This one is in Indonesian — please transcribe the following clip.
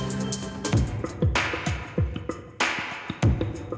gak kuat bawa semuanya